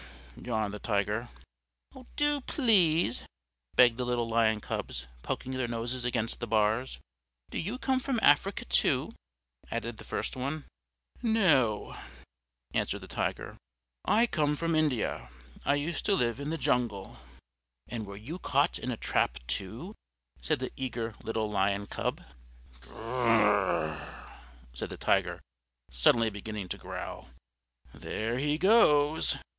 "Ee yow!" yawned the Tiger. "Do, please," begged the little Lion Cubs, poking their noses against the bars. "Do you come from Africa, too?" added the first one. "No," answered the Tiger, "I come from India. I used to live in the jungle." "And were you caught in a trap, too?" said the eager little Lion Cub. "Gr r r !" said the Tiger, suddenly beginning to growl. "There he goes!"